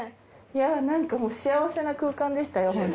いやなんかもう幸せな空間でしたよ